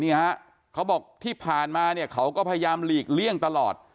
เขาบอกที่ผ่านมาเนี่ยเขาก็พยายามหลีกเลี่ยงตลอด